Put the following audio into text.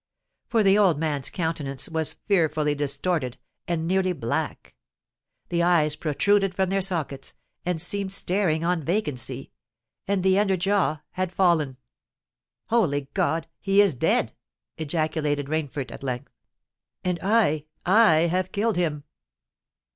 For the old man's countenance was fearfully distorted, and nearly black—the eyes protruded from their sockets, and seemed staring on vacancy—and the under jaw had fallen. "Holy God! he is dead!" ejaculated Rainford at length: "and I—I have killed him!"